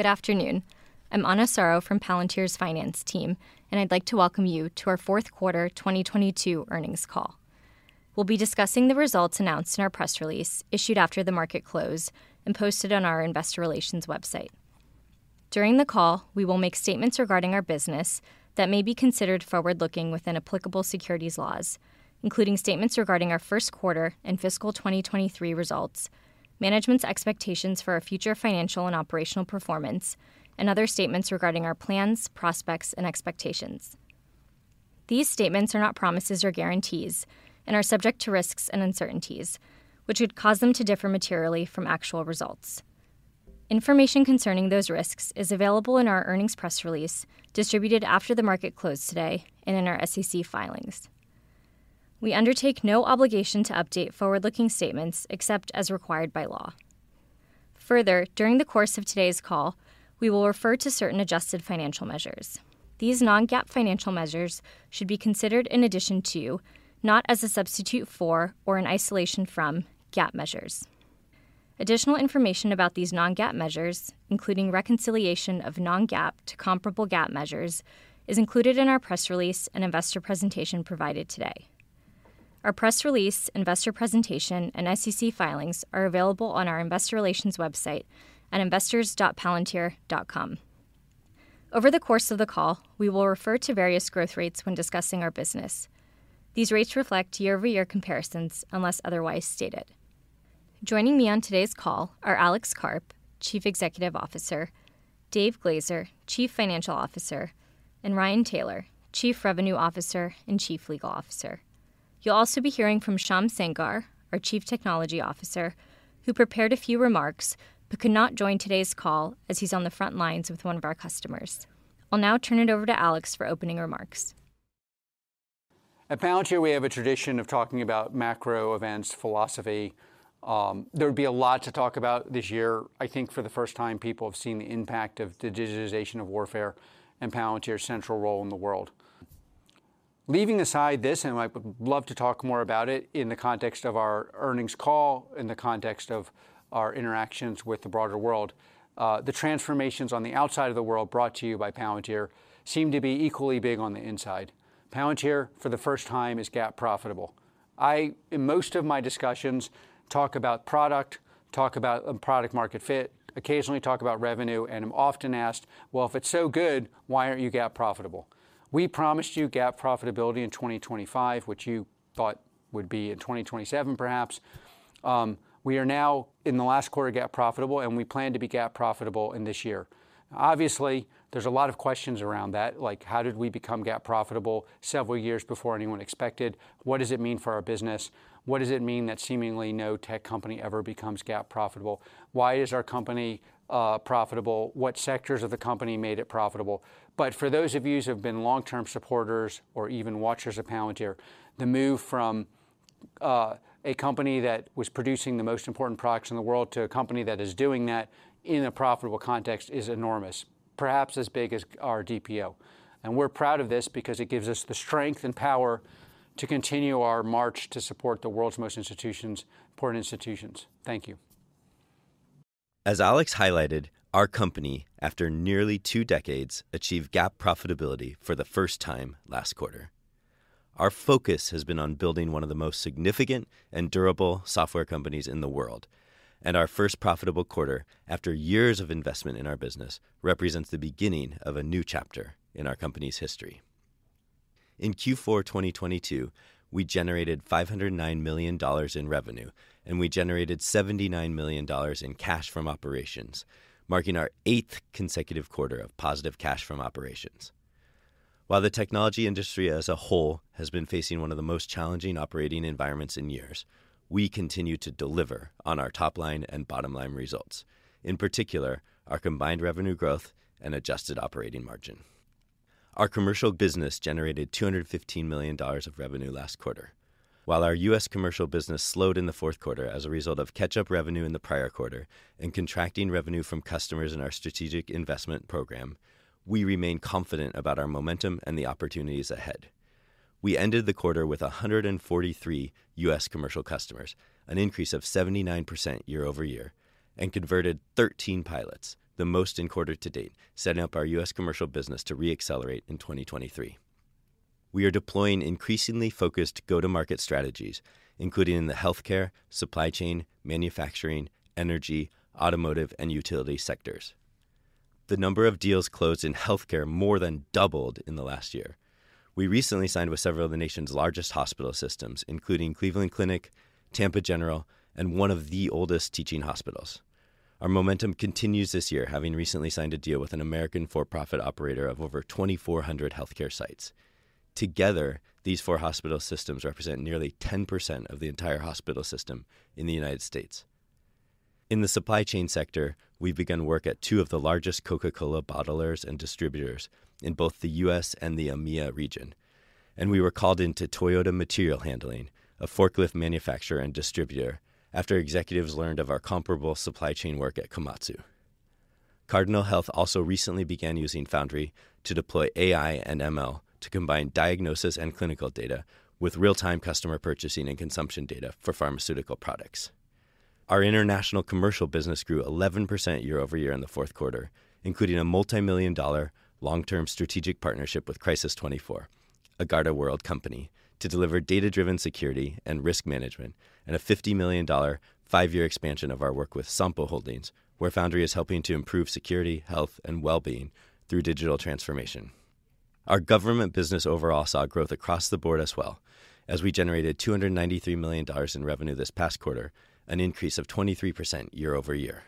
Good afternoon. I'm Ana Soro from Palantir's finance team, and I'd like to welcome you to our fourth quarter 2022 earnings call. We'll be discussing the results announced in our press release issued after the market close and posted on our investor relations website. During the call, we will make statements regarding our business that may be considered forward-looking within applicable securities laws, including statements regarding our first quarter and fiscal 2023 results, management's expectations for our future financial and operational performance, and other statements regarding our plans, prospects, and expectations. These statements are not promises or guarantees and are subject to risks and uncertainties which could cause them to differ materially from actual results. Information concerning those risks is available in our earnings press release distributed after the market closed today and in our SEC filings. We undertake no obligation to update forward-looking statements except as required by law. Further, during the course of today's call, we will refer to certain adjusted financial measures. These non-GAAP financial measures should be considered in addition to, not as a substitute for, or in isolation from GAAP measures. Additional information about these non-GAAP measures, including reconciliation of non-GAAP to comparable GAAP measures, is included in our press release and investor presentation provided today. Our press release, investor presentation, and SEC filings are available on our investor relations website at investors.palantir.com. Over the course of the call, we will refer to various growth rates when discussing our business. These rates reflect year-over-year comparisons unless otherwise stated. Joining me on today's call are Alex Karp, Chief Executive Officer, Dave Glazer, Chief Financial Officer, and Ryan Taylor, Chief Revenue Officer and Chief Legal Officer. You'll also be hearing from Shyam Sankar, our Chief Technology Officer, who prepared a few remarks but could not join today's call as he's on the front lines with one of our customers. I'll now turn it over to Alex for opening remarks. At Palantir, we have a tradition of talking about macro events, philosophy. There would be a lot to talk about this year. I think for the first time, people have seen the impact of the digitization of warfare and Palantir's central role in the world. Leaving aside this, and I would love to talk more about it in the context of our earnings call, in the context of our interactions with the broader world, the transformations on the outside of the world brought to you by Palantir seem to be equally big on the inside. Palantir, for the first time, is GAAP profitable. I, in most of my discussions, talk about product, talk about product market fit, occasionally talk about revenue, and I'm often asked, "Well, if it's so good, why aren't you GAAP profitable?" We promised you GAAP profitability in 2025, which you thought would be in 2027, perhaps. We are now in the last quarter GAAP profitable, and we plan to be GAAP profitable in this year. Obviously, there's a lot of questions around that, like, how did we become GAAP profitable several years before anyone expected? What does it mean for our business? What does it mean that seemingly no tech company ever becomes GAAP profitable? Why is our company profitable? What sectors of the company made it profitable? For those of you who have been long-term supporters or even watchers of Palantir, the move from a company that was producing the most important products in the world to a company that is doing that in a profitable context is enormous, perhaps as big as our DPO. We're proud of this because it gives us the strength and power to continue our march to support the world's most institutions, important institutions. Thank you. As Alex highlighted, our company, after nearly 2 decades, achieved GAAP profitability for the first time last quarter. Our focus has been on building one of the most significant and durable software companies in the world, and our first profitable quarter, after years of investment in our business, represents the beginning of a new chapter in our company's history. In Q4 2022, we generated $509 million in revenue, and we generated $79 million in cash from operations, marking our eighth consecutive quarter of positive cash from operations. While the technology industry as a whole has been facing one of the most challenging operating environments in years, we continue to deliver on our top-line and bottom-line results, in particular, our combined revenue growth and adjusted operating margin. Our commercial business generated $215 million of revenue last quarter. While our U.S. commercial business slowed in the fourth quarter as a result of catch-up revenue in the prior quarter and contracting revenue from customers in our strategic investment program, we remain confident about our momentum and the opportunities ahead. We ended the quarter with 143 U.S. commercial customers, an increase of 79% year-over-year, and converted 13 pilots, the most in quarter to date, setting up our U.S. commercial business to re-accelerate in 2023. We are deploying increasingly focused go-to-market strategies, including in the healthcare, supply chain, manufacturing, energy, automotive, and utility sectors. The number of deals closed in healthcare more than doubled in the last year. We recently signed with several of the nation's largest hospital systems, including Cleveland Clinic, Tampa General, and one of the oldest teaching hospitals. Our momentum continues this year, having recently signed a deal with an American for-profit operator of over 2,400 healthcare sites. Together, these four hospital systems represent nearly 10% of the entire hospital system in the United States. In the supply chain sector, we've begun work at two of the largest Coca-Cola bottlers and distributors in both the U.S. and the EMEA region. We were called into Toyota Material Handling, a forklift manufacturer and distributor, after executives learned of our comparable supply chain work at Komatsu. Cardinal Health also recently began using Foundry to deploy AI and ML to combine diagnosis and clinical data with real-time customer purchasing and consumption data for pharmaceutical products. Our international commercial business grew 11% year-over-year in the fourth quarter, including a multimillion-dollar long-term strategic partnership with Crisis24, a GardaWorld company, to deliver data-driven security and risk management and a $50 million 5-year expansion of our work with SOMPO Holdings, where Foundry is helping to improve security, health, and well-being through digital transformation. Our government business overall saw growth across the board as well as we generated $293 million in revenue this past quarter, an increase of 23% year-over-year.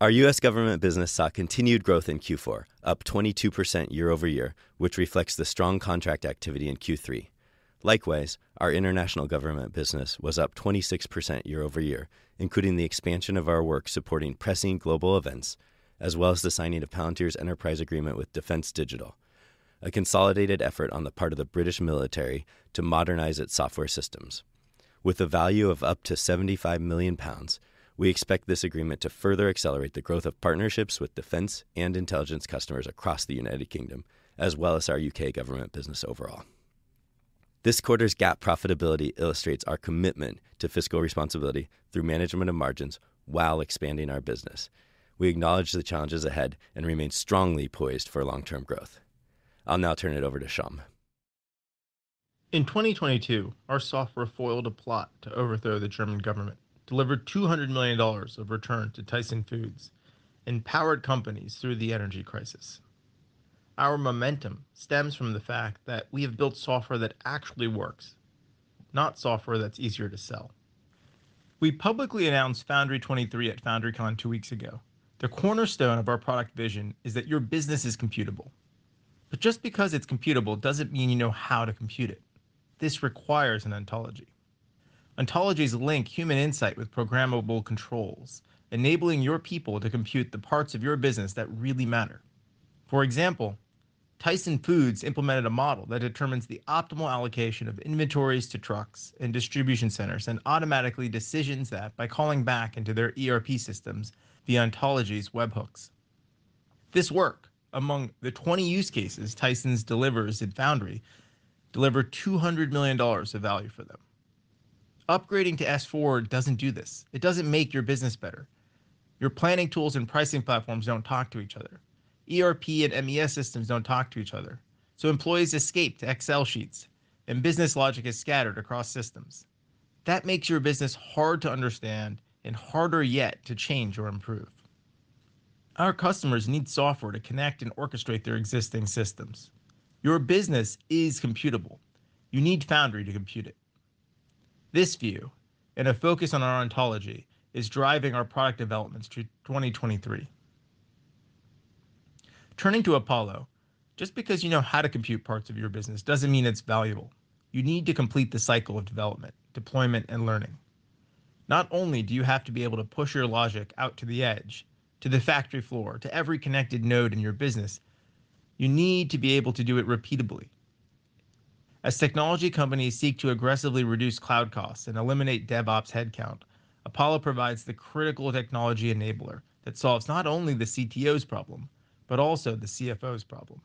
Our U.S. government business saw continued growth in Q4, up 22% year-over-year, which reflects the strong contract activity in Q3. Likewise, our international government business was up 26% year-over-year, including the expansion of our work supporting pressing global events, as well as the signing of Palantir's enterprise agreement with Defence Digital, a consolidated effort on the part of the British military to modernize its software systems. With a value of up to 75 million pounds, we expect this agreement to further accelerate the growth of partnerships with defense and intelligence customers across the United Kingdom, as well as our U.K. government business overall. This quarter's GAAP profitability illustrates our commitment to fiscal responsibility through management of margins while expanding our business. We acknowledge the challenges ahead and remain strongly poised for long-term growth. I'll now turn it over to Shyam. In 2022, our software foiled a plot to overthrow the German government, delivered $200 million of return to Tyson Foods, and powered companies through the energy crisis. Our momentum stems from the fact that we have built software that actually works, not software that's easier to sell. We publicly announced Foundry 23 at FoundryCon two weeks ago. The cornerstone of our product vision is that your business is computable. Just because it's computable doesn't mean you know how to compute it. This requires an ontology. Ontologies link human insight with programmable controls, enabling your people to compute the parts of your business that really matter. For example, Tyson Foods implemented a model that determines the optimal allocation of inventories to trucks and distribution centers and automatically decisions that by calling back into their ERP systems the ontology's webhooks. This work, among the 20 use cases Tyson's delivers at Foundry, delivered $200 million of value for them. Upgrading to S4 doesn't do this. It doesn't make your business better. Your planning tools and pricing platforms don't talk to each other. ERP and MES systems don't talk to each other. Employees escape to Excel sheets and business logic is scattered across systems. That makes your business hard to understand and harder yet to change or improve. Our customers need software to connect and orchestrate their existing systems. Your business is computable. You need Foundry to compute it. This view and a focus on our ontology is driving our product developments to 2023. Turning to Apollo, just because you know how to compute parts of your business doesn't mean it's valuable. You need to complete the cycle of development, deployment, and learning. Not only do you have to be able to push your logic out to the edge, to the factory floor, to every connected node in your business, you need to be able to do it repeatably. As technology companies seek to aggressively reduce cloud costs and eliminate DevOps headcount, Apollo provides the critical technology enabler that solves not only the CTO's problem, but also the CFO's problem.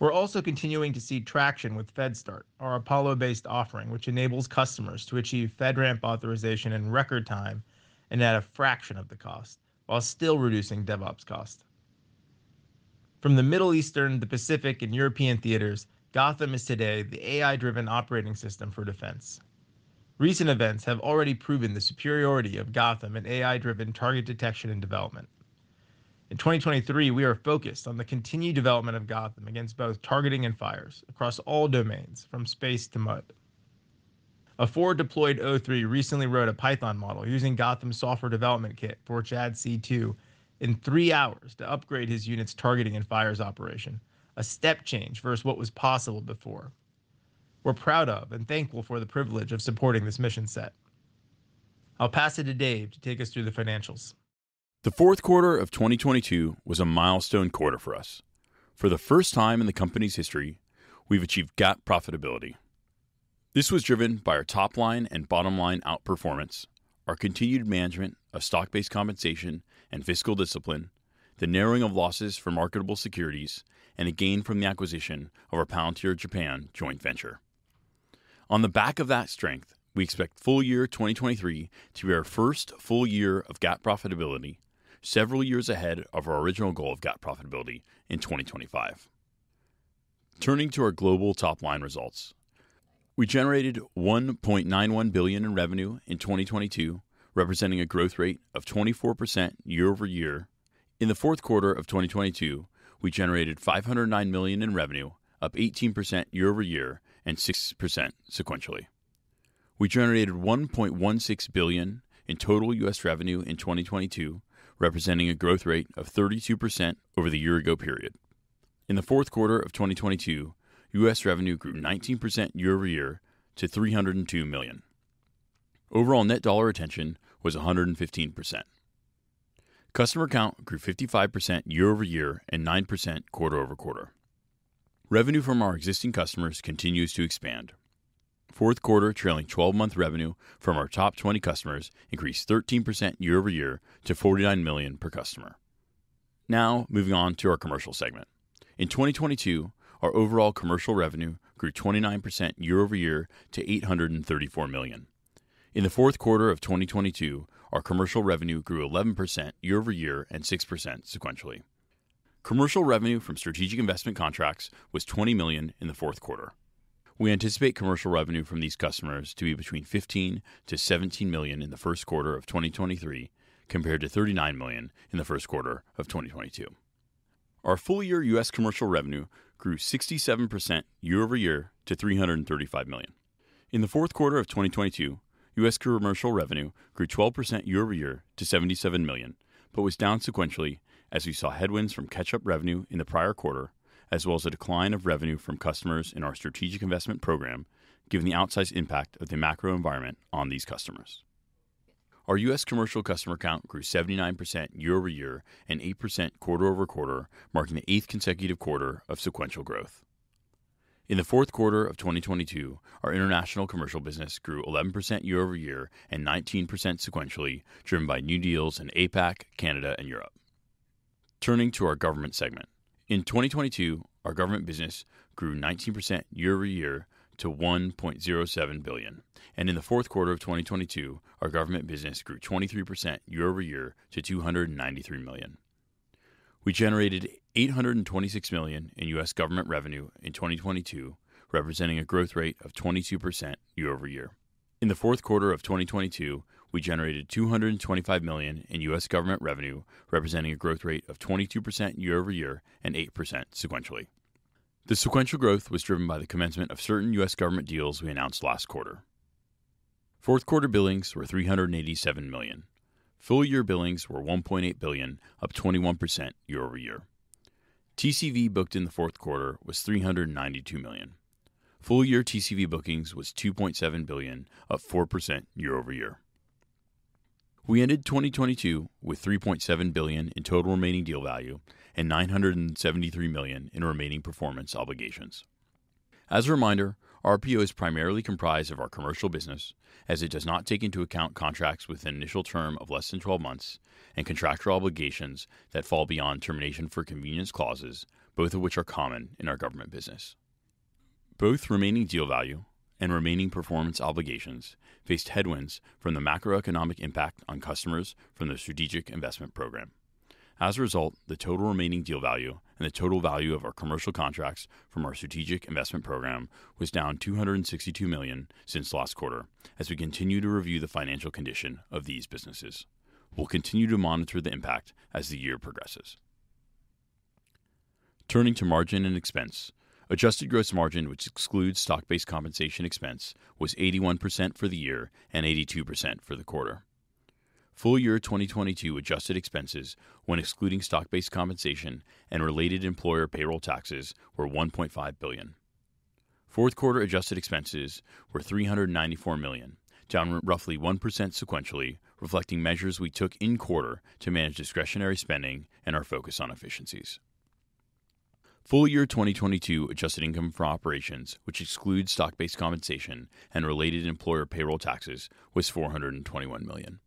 We're also continuing to see traction with FedStart, our Apollo-based offering, which enables customers to achieve FedRAMP authorization in record time and at a fraction of the cost while still reducing DevOps cost. From the Middle Eastern, the Pacific, and European theaters, Gotham is today the AI-driven operating system for defense. Recent events have already proven the superiority of Gotham in AI-driven target detection and development. In 2023, we are focused on the continued development of Gotham against both targeting and fires across all domains from space to mud. A forward-deployed O-3 recently wrote a Python model using Gotham's software development kit for JADC2 in three hours to upgrade his unit's targeting and fires operation, a step change versus what was possible before. We're proud of and thankful for the privilege of supporting this mission set. I'll pass it to Dave to take us through the financials. The fourth quarter of 2022 was a milestone quarter for us. For the first time in the company's history, we've achieved GAAP profitability. This was driven by our top-line and bottom-line outperformance, our continued management of stock-based compensation and fiscal discipline, the narrowing of losses for marketable securities, and a gain from the acquisition of our Palantir Japan joint venture. On the back of that strength, we expect full year 2023 to be our first full year of GAAP profitability, several years ahead of our original goal of GAAP profitability in 2025. Turning to our global top-line results. We generated $1.91 billion in revenue in 2022, representing a growth rate of 24% year-over-year. In the fourth quarter of 2022, we generated $509 million in revenue, up 18% year-over-year and 6% sequentially. We generated $1.16 billion in total U.S. revenue in 2022, representing a growth rate of 32% over the year-ago period. In the fourth quarter of 2022, U.S. revenue grew 19% year-over-year to $302 million. Overall net dollar retention was 115%. Customer count grew 55% year-over-year and 9% quarter-over-quarter. Revenue from our existing customers continues to expand. Fourth quarter trailing twelve-month revenue from our top 20 customers inQcreased 13% year-over-year to $49 million per customer. Now moving on to our commercial segment. In 2022, our overall commercial revenue grew 29% year-over-year to $834 million. In the fourth quarter of 2022, our commercial revenue grew 11% year-over-year and 6% sequentially. Commercial revenue from strategic investment contracts was $20 million in the fourth quarter. We anticipate commercial revenue from these customers to be between $15 million-$17 million in the first quarter of 2023, compared to $39 million in the first quarter of 2022. Our full year U.S. commercial revenue grew 67% year-over-year to $335 million. In the fourth quarter of 2022, U.S. commercial revenue grew 12% year-over-year to $77 million, was down sequentially as we saw headwinds from catch-up revenue in the prior quarter, as well as the decline of revenue from customers in our strategic investment program, given the outsized impact of the macro environment on these customers. Our U.S. commercial customer count grew 79% year-over-year and 8% quarter-over-quarter, marking the eighth consecutive quarter of sequential growth. In the fourth quarter of 2022, our international commercial business grew 11% year-over-year and 19% sequentially, driven by new deals in APAC, Canada, and Europe. Turning to our government segment. In 2022, our government business grew 19% year-over-year to $1.07 billion. In the fourth quarter of 2022, our government business grew 23% year-over-year to $293 million. We generated $826 million in U.S. government revenue in 2022, representing a growth rate of 22% year-over-year. In the fourth quarter of 2022, we generated $225 million in U.S. government revenue, representing a growth rate of 22% year-over-year and 8% sequentially. The sequential growth was driven by the commencement of certain U.S. government deals we announced last quarter. Fourth quarter billings were $387 million. Full year billings were $1.8 billion, up 21% year-over-year. TCV booked in the fourth quarter was $392 million. Full year TCV bookings was $2.7 billion, up 4% year-over-year. We ended 2022 with $3.7 billion in total remaining deal value and $973 million in remaining performance obligations. As a reminder, RPO is primarily comprised of our commercial business as it does not take into account contracts with an initial term of less than 12 months and contractual obligations that fall beyond termination for convenience clauses, both of which are common in our government business. Both remaining deal value and remaining performance obligations faced headwinds from the macroeconomic impact on customers from the strategic investment program. The total remaining deal value and the total value of our commercial contracts from our strategic investment program was down $262 million since last quarter as we continue to review the financial condition of these businesses. We'll continue to monitor the impact as the year progresses. Turning to margin and expense. Adjusted gross margin, which excludes stock-based compensation expense, was 81% for the year and 82% for the quarter. Full year 2022 adjusted expenses when excluding stock-based compensation and related employer payroll taxes were $1.5 billion. Fourth quarter adjusted expenses were $394 million, down roughly 1% sequentially, reflecting measures we took in quarter to manage discretionary spending and our focus on efficiencies. Full year 2022 adjusted income for operations, which excludes stock-based compensation and related employer payroll taxes, was $421 million.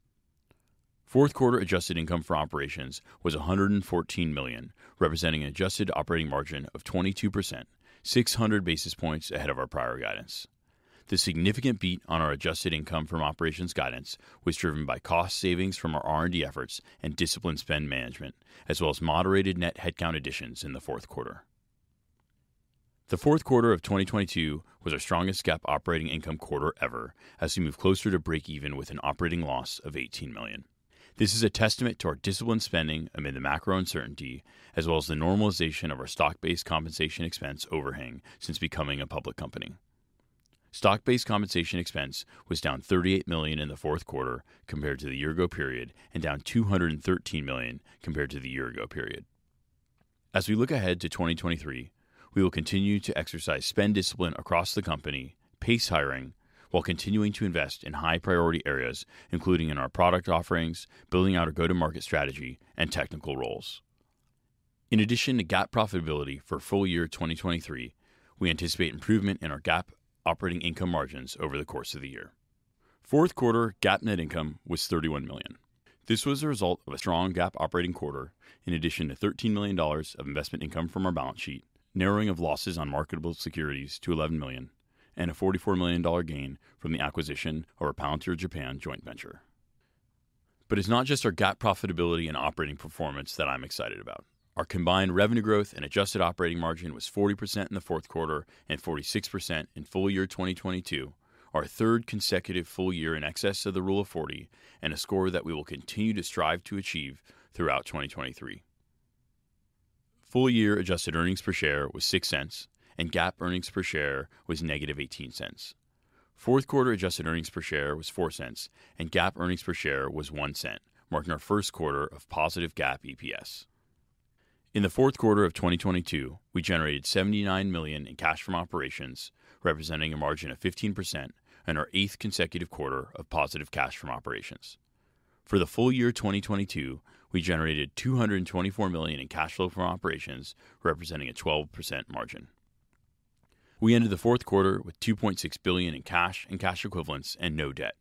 Fourth quarter adjusted income for operations was $114 million, representing an adjusted operating margin of 22%, 600 basis points ahead of our prior guidance. The significant beat on our adjusted income from operations guidance was driven by cost savings from our R&D efforts and disciplined spend management, as well as moderated net headcount additions in the fourth quarter. The fourth quarter of 2022 was our strongest GAAP operating income quarter ever as we move closer to break even with an operating loss of $18 million. This is a testament to our disciplined spending amid the macro uncertainty as well as the normalization of our stock-based compensation expense overhang since becoming a public company. Stock-based compensation expense was down $38 million in the fourth quarter compared to the year ago period, and down $213 million compared to the year ago period. As we look ahead to 2023, we will continue to exercise spend discipline across the company, pace hiring while continuing to invest in high priority areas, including in our product offerings, building out our go-to-market strategy, and technical roles. In addition to GAAP profitability for full year 2023, we anticipate improvement in our GAAP operating income margins over the course of the year. Fourth quarter GAAP net income was $31 million. This was a result of a strong GAAP operating quarter in addition to $13 million of investment income from our balance sheet, narrowing of losses on marketable securities to $11 million, and a $44 million gain from the acquisition of our Palantir Japan joint venture. It's not just our GAAP profitability and operating performance that I'm excited about. Our combined revenue growth and adjusted operating margin was 40% in the fourth quarter and 46% in full year 2022, our third consecutive full year in excess of the Rule of 40, and a score that we will continue to strive to achieve throughout 2023. Full year adjusted earnings per share was $0.06 and GAAP earnings per share was negative $0.18. Fourth quarter adjusted earnings per share was $0.04 and GAAP earnings per share was $0.01, marking our first quarter of positive GAAP EPS. In the fourth quarter of 2022, we generated $79 million in cash from operations, representing a margin of 15% and our eighth consecutive quarter of positive cash from operations. For the full year 2022, we generated $224 million in cash flow from operations, representing a 12% margin. We ended the fourth quarter with $2.6 billion in cash and cash equivalents and no debt.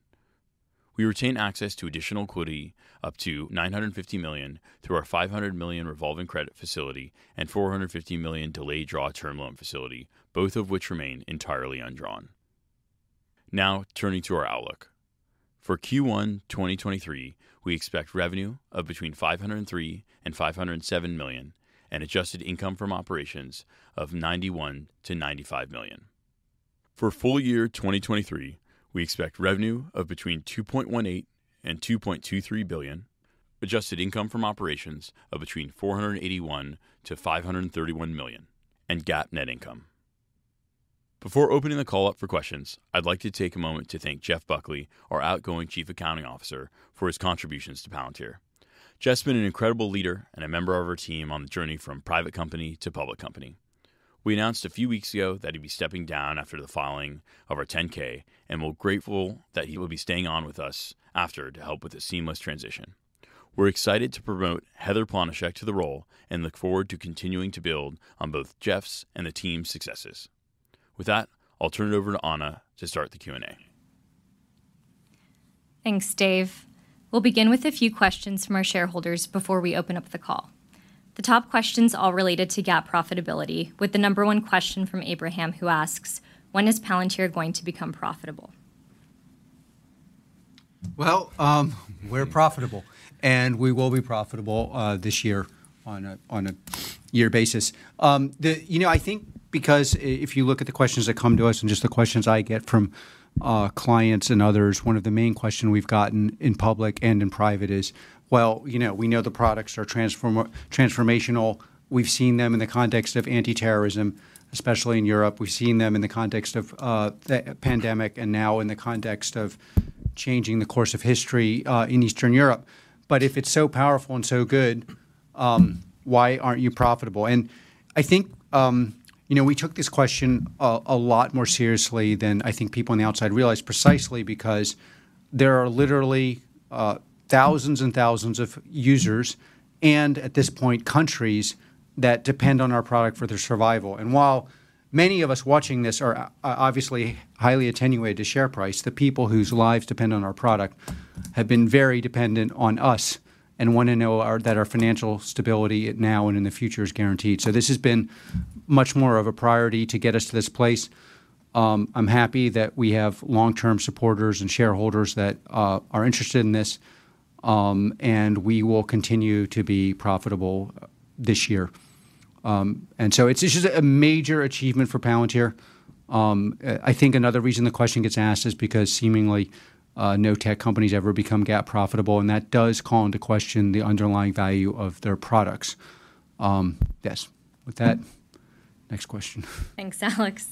We retain access to additional equity up to $950 million through our $500 million revolving credit facility and $450 million delayed draw term loan facility, both of which remain entirely undrawn. Turning to our outlook. For Q1 2023, we expect revenue of between $503 million and $507 million and adjusted income from operations of $91 million-$95 million. For full year 2023, we expect revenue of between $2.18 billion and $2.23 billion, adjusted income from operations of between $481 million-$531 million and GAAP net income. Before opening the call up for questions, I'd like to take a moment to thank Jeff Buckley, our outgoing Chief Accounting Officer, for his contributions to Palantir. Jeff's been an incredible leader and a member of our team on the journey from private company to public company. We announced a few weeks ago that he'd be stepping down after the filing of our 10-K, and we're grateful that he will be staying on with us after to help with the seamless transition. We're excited to promote Heather Planishek to the role and look forward to continuing to build on both Jeff's and the team's successes. With that, I'll turn it over to Ana to start the Q&A. Thanks, Dave. We'll begin with a few questions from our shareholders before we open up the call. The top questions all related to GAAP profitability, with the number one question from Abraham, who asks, "When is Palantir going to become profitable? Well, we're profitable, and we will be profitable this year on a year basis. You know, I think because if you look at the questions that come to us and just the questions I get from clients and others, one of the main question we've gotten in public and in private is, "Well, you know, we know the products are transformational. We've seen them in the context of anti-terrorism, especially in Europe. We've seen them in the context of the pandemic and now in the context of changing the course of history in Eastern Europe. If it's so powerful and so good, why aren't you profitable? I think, you know, we took this question a lot more seriously than I think people on the outside realize, precisely because there are literally thousands and thousands of users and, at this point, countries that depend on our product for their survival. While many of us watching this are obviously highly attenuated to share price, the people whose lives depend on our product have been very dependent on us and want to know that our financial stability, now and in the future, is guaranteed. This has been much more of a priority to get us to this place. I'm happy that we have long-term supporters and shareholders that are interested in this, and we will continue to be profitable this year. It's just a major achievement for Palantir. I think another reason the question gets asked is because seemingly, no tech company's ever become GAAP profitable, and that does call into question the underlying value of their products. Yes. With that, next question. Thanks, Alex.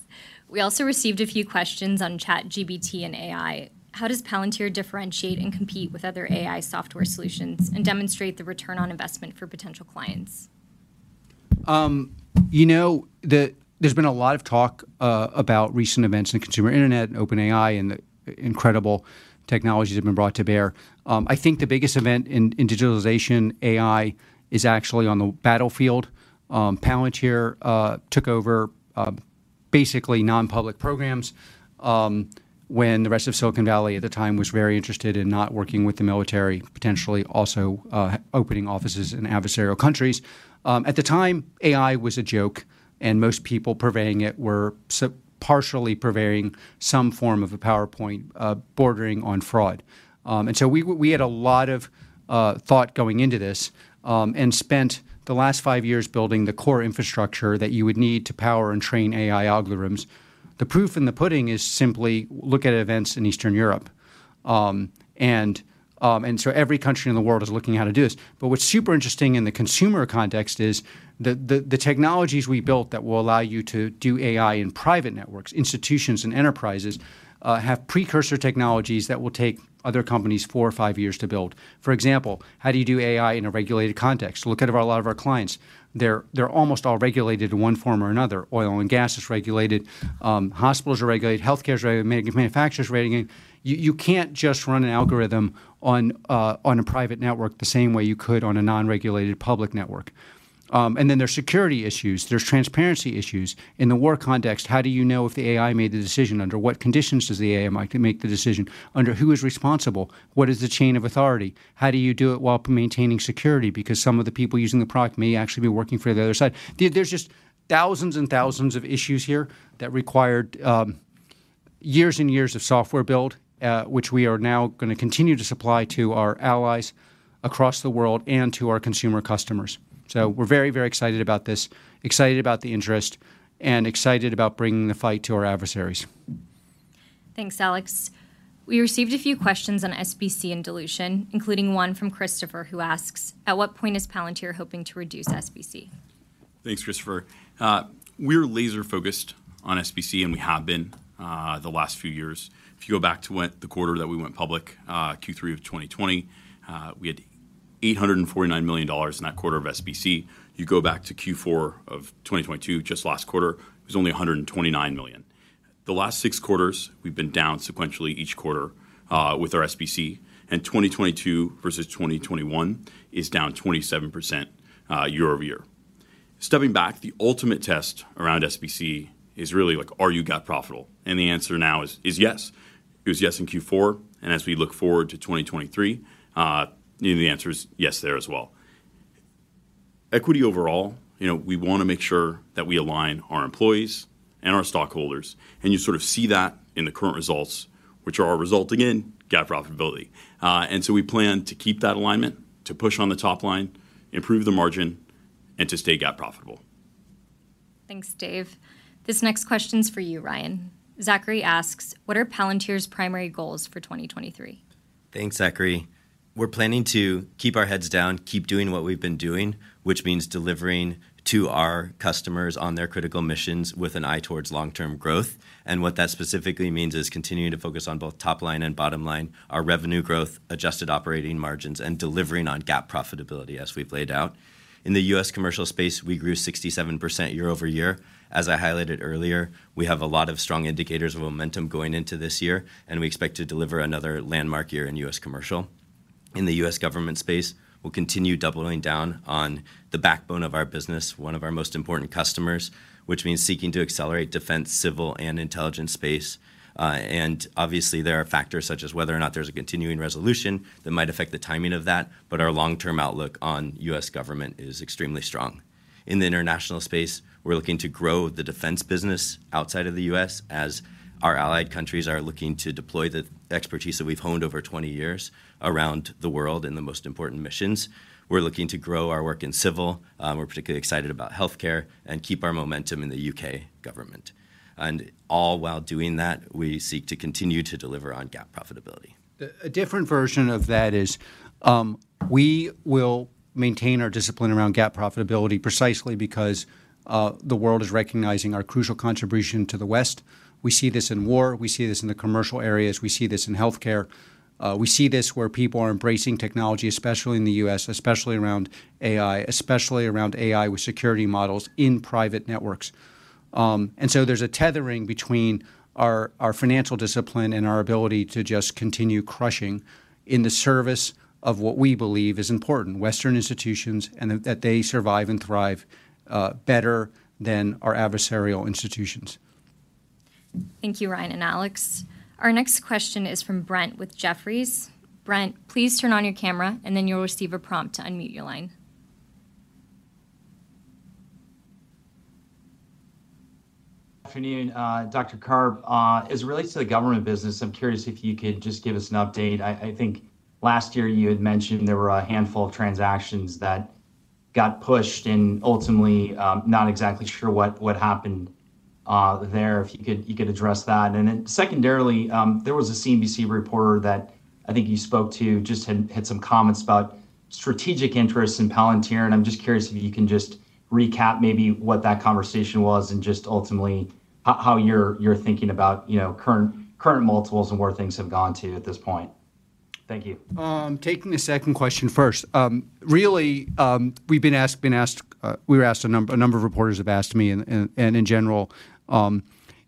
We also received a few questions on ChatGPT and AI. How does Palantir differentiate and compete with other AI software solutions and demonstrate the return on investment for potential clients? You know, there's been a lot of talk about recent events in the consumer internet and OpenAI and the incredible technologies that have been brought to bear. I think the biggest event in digitalization AI is actually on the battlefield. Palantir took over basically non-public programs when the rest of Silicon Valley at the time was very interested in not working with the military, potentially also opening offices in adversarial countries. At the time, AI was a joke, and most people purveying it were partially purveying some form of a PowerPoint, bordering on fraud. We had a lot of thought going into this and spent the last 5 years building the core infrastructure that you would need to power and train AI algorithms. The proof in the pudding is simply look at events in Eastern Europe. Every country in the world is looking at how to do this. What's super interesting in the consumer context is the technologies we built that will allow you to do AI in private networks, institutions and enterprises, have precursor technologies that will take other companies four or five years to build. For example, how do you do AI in a regulated context? Look at a lot of our clients. They're almost all regulated in one form or another. Oil and gas is regulated. Hospitals are regulated. Healthcare is regulated. Manufacturers are regulated. You can't just run an algorithm on a private network the same way you could on a non-regulated public network. Then there's security issues. There's transparency issues. In the war context, how do you know if the AI made the decision? Under what conditions does the AI make the decision? Under who is responsible? What is the chain of authority? How do you do it while maintaining security? Because some of the people using the product may actually be working for the other side. There's just thousands and thousands of issues here that required years and years of software build, which we are now gonna continue to supply to our allies across the world and to our consumer customers. We're very, very excited about this, excited about the interest, and excited about bringing the fight to our adversaries. Thanks, Alex. We received a few questions on SBC and dilution, including one from Christopher, who asks, "At what point is Palantir hoping to reduce SBC? Thanks, Christopher. We're laser-focused on SBC, and we have been the last few years. If you go back to when the quarter that we went public, Q3 of 2020, we had $849 million in that quarter of SBC. You go back to Q4 of 2022, just last quarter, it was only $129 million. The last six quarters, we've been down sequentially each quarter with our SBC, and 2022 versus 2021 is down 27% year over year. Stepping back, the ultimate test around SBC is really, like, are you GAAP profitable? The answer now is yes. It was yes in Q4, and as we look forward to 2023, you know, the answer is yes there as well. Equity overall, you know, we wanna make sure that we align our employees and our stockholders, and you sort of see that in the current results, which are resulting in GAAP profitability. We plan to keep that alignment, to push on the top line, improve the margin, and to stay GAAP profitable. Thanks, Dave. This next question's for you, Ryan. Zachary asks, "What are Palantir's primary goals for 2023? Thanks, Zachary. We're planning to keep our heads down, keep doing what we've been doing, which means delivering to our customers on their critical missions with an eye towards long-term growth. What that specifically means is continuing to focus on both top line and bottom line, our revenue growth, adjusted operating margins, and delivering on GAAP profitability as we've laid out. In the U.S. Commercial space, we grew 67% year-over-year. As I highlighted earlier, we have a lot of strong indicators of momentum going into this year, and we expect to deliver another landmark year in U.S. commercial. In the U.S. government space, we'll continue doubling down on the backbone of our business, one of our most important customers, which means seeking to accelerate defense, civil, and intelligence space. Obviously, there are factors such as whether or not there's a continuing resolution that might affect the timing of that, but our long-term outlook on U.S. government is extremely strong. In the international space, we're looking to grow the defense business outside of the U.S. as our allied countries are looking to deploy the expertise that we've honed over 20 years around the world in the most important missions. We're looking to grow our work in civil, we're particularly excited about healthcare, and keep our momentum in the U.K. government. All while doing that, we seek to continue to deliver on GAAP profitability. A different version of that is, we will maintain our discipline around GAAP profitability precisely because the world is recognizing our crucial contribution to the West. We see this in war, we see this in the commercial areas, we see this in healthcare. We see this where people are embracing technology, especially in the U.S., especially around AI, especially around AI with security models in private networks. There's a tethering between our financial discipline and our ability to just continue crushing in the service of what we believe is important, Western institutions, and that they survive and thrive better than our adversarial institutions. Thank you, Ryan and Alex. Our next question is from Brent with Jefferies. Brent, please turn on your camera, and then you'll receive a prompt to unmute your line. Afternoon, Dr. Karp. As it relates to the government business, I'm curious if you could just give us an update. I think last year you had mentioned there were a handful of transactions that got pushed and ultimately, not exactly sure what happened there, if you could address that. Secondarily, there was a CNBC reporter that I think you spoke to, just had some comments about strategic interests in Palantir, and I'm just curious if you can just recap maybe what that conversation was and just ultimately how you're thinking about, you know, current multiples and where things have gone to at this point. Thank you. Taking the second question first. Really, we've been asked, we were asked a number of reporters have asked me and in general,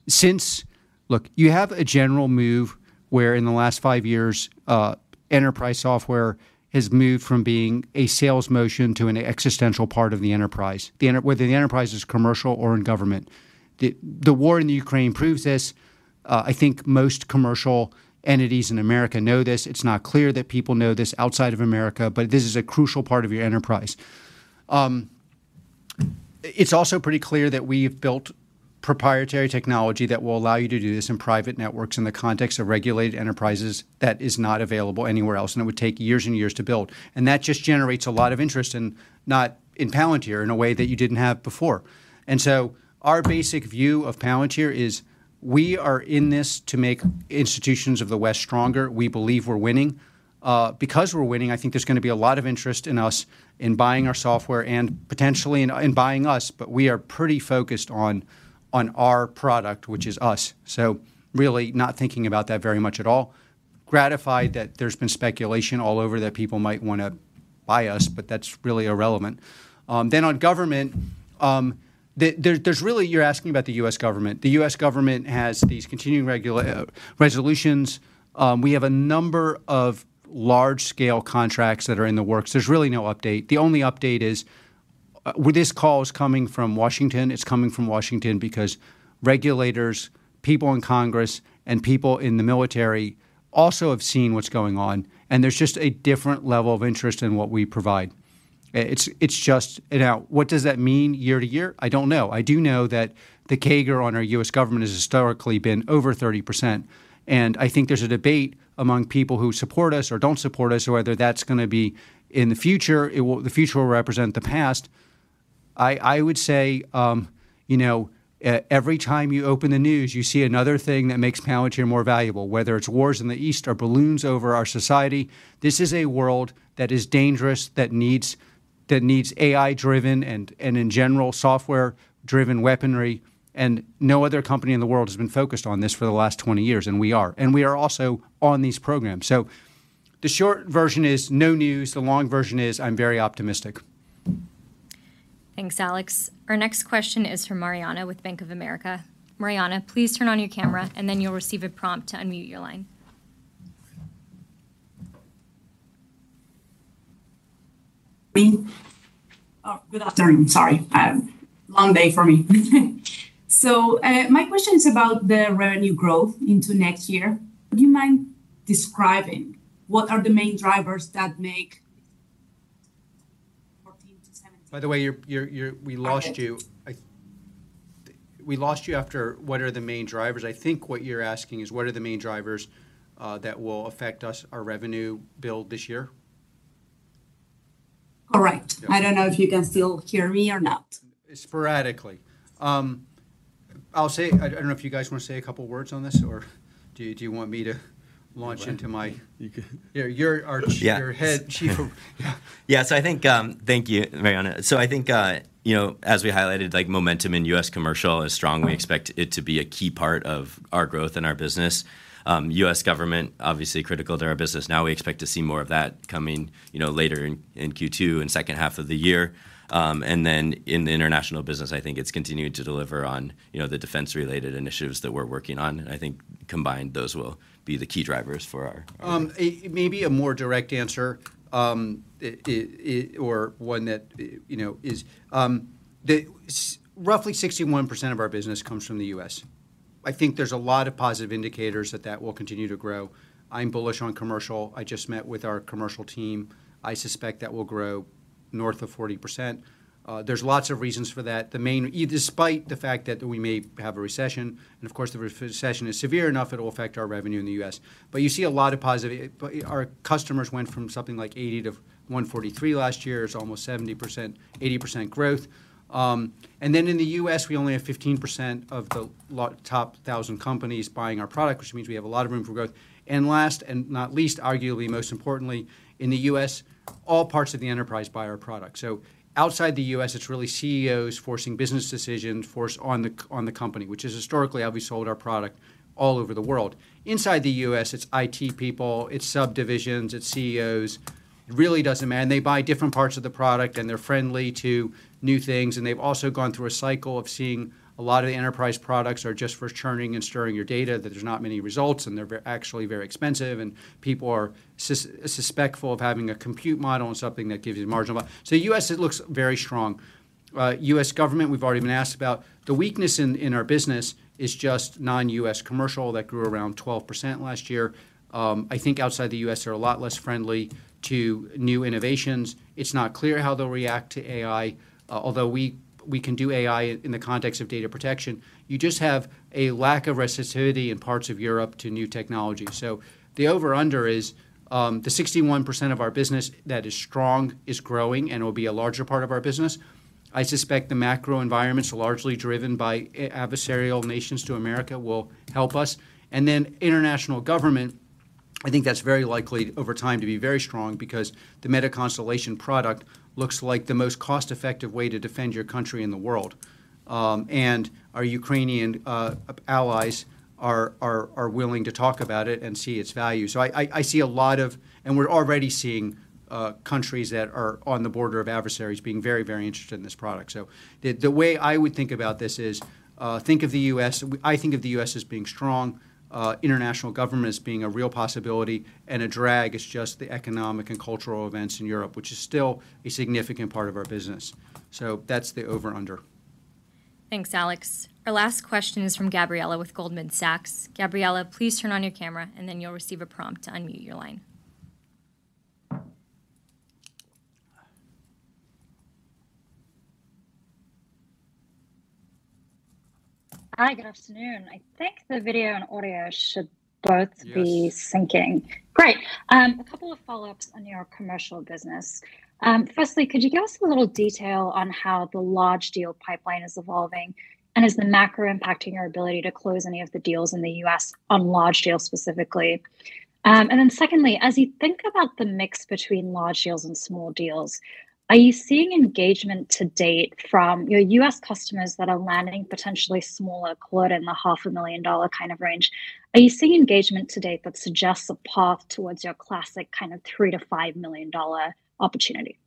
since... Look, you have a general move where in the last five years, enterprise software has moved from being a sales motion to an existential part of the enterprise, whether the enterprise is commercial or in government. The war in the Ukraine proves this. I think most commercial entities in America know this. It's not clear that people know this outside of America, but this is a crucial part of your enterprise. It's also pretty clear that we have built proprietary technology that will allow you to do this in private networks in the context of regulated enterprises that is not available anywhere else, and it would take years and years to build. That just generates a lot of interest in Palantir in a way that you didn't have before. Our basic view of Palantir is we are in this to make institutions of the West stronger. We believe we're winning. Because we're winning, I think there's gonna be a lot of interest in us in buying our software and potentially in buying us, but we are pretty focused on our product, which is us. Really not thinking about that very much at all. Gratified that there's been speculation all over that people might wanna buy us, but that's really irrelevant. Then on government, there's really, you're asking about the U.S. government. The U.S. government has these continuing resolutions. We have a number of large scale contracts that are in the works. There's really no update. The only update is, this call is coming from Washington. It's coming from Washington because regulators, people in Congress, and people in the military also have seen what's going on, and there's just a different level of interest in what we provide. It's just. Now what does that mean year to year? I don't know. I do know that the CAGR on our U.S. government has historically been over 30%, and I think there's a debate among people who support us or don't support us or whether that's gonna be in the future. The future will represent the past. I would say, you know, every time you open the news, you see another thing that makes Palantir more valuable, whether it's wars in the East or balloons over our society. This is a world that is dangerous, that needs AI-driven and in general, software-driven weaponry. No other company in the world has been focused on this for the last 20 years, and we are. We are also on these programs. The short version is no news. The long version is I'm very optimistic. Thanks, Alex. Our next question is from Mariana with Bank of America. Mariana, please turn on your camera, and then you'll receive a prompt to unmute your line. Me? Oh, good afternoon. Sorry. long day for me. My question is about the revenue growth into next year. Would you mind describing what are the main drivers that make 14%-17%- By the way, We lost you. We lost you after, "What are the main drivers?" I think what you're asking is what are the main drivers that will affect our revenue build this year. All right. I don't know if you can still hear me or not. Sporadically. I'll say I don't know if you guys wanna say a couple words on this or do you want me to launch into? You can. You're. Yeah. Chief operating head. Yeah. Yeah. Thank you, Mariana. I think, you know, as we highlighted, like, momentum in U.S. commercial is strong. We expect it to be a key part of our growth and our business. U.S. government, obviously critical to our business. Now we expect to see more of that coming, you know, later in Q2 and second half of the year. In the international business, I think it's continuing to deliver on, you know, the defense-related initiatives that we're working on. I think combined, those will be the key drivers for our- Maybe a more direct answer, or one that, you know, is roughly 61% of our business comes from the US. I think there's a lot of positive indicators that that will continue to grow. I'm bullish on commercial. I just met with our commercial team. I suspect that will grow north of 40%. There's lots of reasons for that. Despite the fact that we may have a recession, and of course if the recession is severe enough, it'll affect our revenue in the U.S. You see a lot of positive. Our customers went from something like 80 to 143 last year. It's almost 70%, 80% growth. In the U.S., we only have 15% of the top 1,000 companies buying our product, which means we have a lot of room for growth. Last and not least, arguably most importantly, in the US, all parts of the enterprise buy our product. Outside the U.S., it's really CEOs forcing business decisions force on the company, which is historically how we sold our product all over the world. Inside the US, it's IT people, it's subdivisions, it's CEOs. It really doesn't matter. They buy different parts of the product, and they're friendly to new things, and they've also gone through a cycle of seeing a lot of the enterprise products are just for churning and stirring your data, that there's not many results, and they're actually very expensive, and people are suspectful of having a compute model and something that gives you marginal. U.S., it looks very strong. U.S. government, we've already been asked about. The weakness in our business is just non-U.S. commercial that grew around 12% last year. I think outside the U.S., they're a lot less friendly to new innovations. It's not clear how they'll react to AI, although we can do AI in the context of data protection. You just have a lack of reciprocity in parts of Europe to new technology. The over/under is, the 61% of our business that is strong is growing and will be a larger part of our business. I suspect the macro environment's largely driven by adversarial nations to America will help us. International government, I think that's very likely over time to be very strong because the MetaConstellation product looks like the most cost-effective way to defend your country in the world. Our Ukrainian allies are willing to talk about it and see its value. I see a lot of. We're already seeing countries that are on the border of adversaries being very, very interested in this product. The way I would think about this is, think of the U.S. I think of the U.S. as being strong, international government as being a real possibility, and a drag is just the economic and cultural events in Europe, which is still a significant part of our business. That's the over/under. Thanks, Alex. Our last question is from Gabriela with Goldman Sachs. Gabriela, please turn on your camera, then you'll receive a prompt to unmute your line. Hi, good afternoon. I think the video and audio should both- Yes. Be syncing. Great. A couple of follow-ups on your commercial business. Firstly, could you give us a little detail on how the large deal pipeline is evolving, and is the macro impacting your ability to close any of the deals in the U.S. on large deals specifically? Secondly, as you think about the mix between large deals and small deals, are you seeing engagement to date from your U.S. customers that are landing potentially smaller quarter in the half a million dollar kind of range? Are you seeing engagement to date that suggests a path towards your classic kind of $3 million-$5 million opportunity?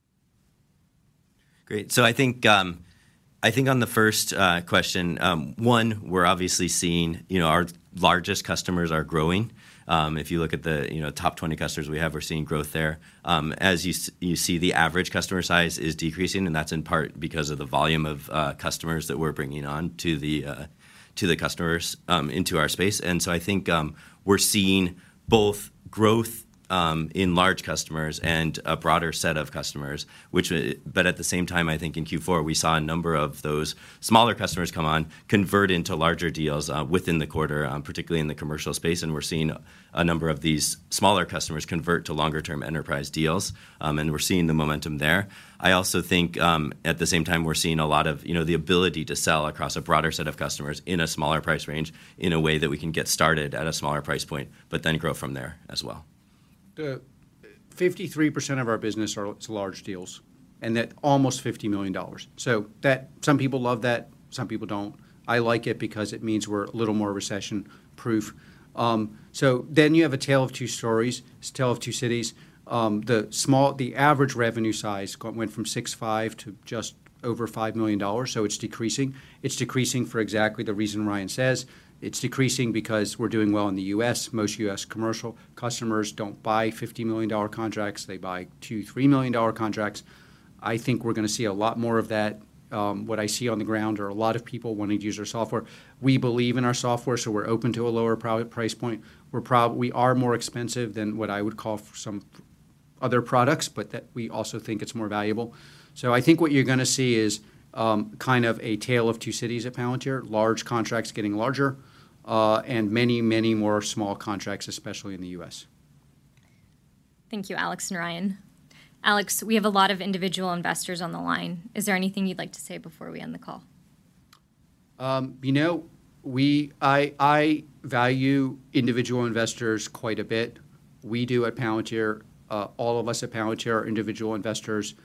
Great. I think, I think on the first question, one, we're obviously seeing, you know, our largest customers are growing. If you look at the, you know, top 20 customers we have, we're seeing growth there. As you see the average customer size is decreasing, and that's in part because of the volume of customers that we're bringing on to the customers into our space. I think we're seeing both growth in large customers and a broader set of customers, which. At the same time, I think in Q4, we saw a number of those smaller customers come on, convert into larger deals within the quarter, particularly in the commercial space, and we're seeing a number of these smaller customers convert to longer term enterprise deals, and we're seeing the momentum there. I also think, at the same time, we're seeing a lot of, you know, the ability to sell across a broader set of customers in a smaller price range in a way that we can get started at a smaller price point, but then grow from there as well. The 53% of our business are, it's large deals and that almost $50 million. Some people love that, some people don't. I like it because it means we're a little more recession-proof. You have a tale of two stories, it's a tale of two cities. The average revenue size went from $6.5 million to just over $5 million, so it's decreasing. It's decreasing for exactly the reason Ryan says. It's decreasing because we're doing well in the U.S. Most U.S. commercial customers don't buy $50 million contracts, they buy $2 million, $3 million contracts. I think we're gonna see a lot more of that. What I see on the ground are a lot of people wanting to use our software. We believe in our software, we're open to a lower price point. We are more expensive than what I would call some other products, but that we also think it's more valuable. I think what you're gonna see is, kind of a tale of two cities at Palantir, large contracts getting larger, and many, many more small contracts, especially in the U.S. Thank you, Alex and Ryan. Alex, we have a lot of individual investors on the line. Is there anything you'd like to say before we end the call? You know, I value individual investors quite a bit. We do at Palantir. All of us at Palantir are individual investors.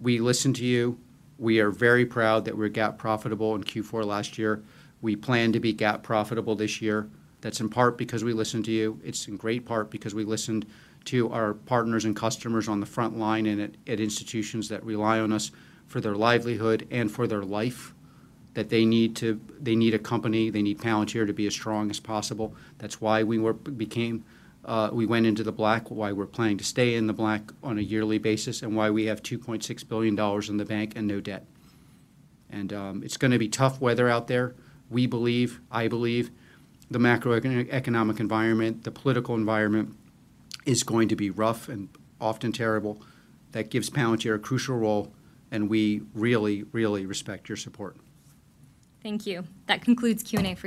We listen to you. We are very proud that we're GAAP profitable in Q4 last year. We plan to be GAAP profitable this year. That's in part because we listen to you. It's in great part because we listened to our partners and customers on the front line and at institutions that rely on us for their livelihood and for their life, that they need a company, they need Palantir to be as strong as possible. That's why we became, we went into the black, why we're planning to stay in the black on a yearly basis, and why we have $2.6 billion in the bank and no debt. It's gonna be tough weather out there. We believe, I believe the macroeconomic environment, the political environment is going to be rough and often terrible. That gives Palantir a crucial role, and we really, really respect your support. Thank you. That concludes Q&A for today.